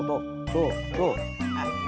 lihat aku dapat